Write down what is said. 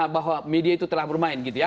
bahwa media itu telah bermain